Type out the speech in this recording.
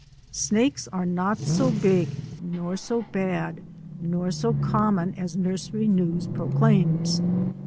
Snakes are not so big nor so bad nor so common as nursery news proclaims.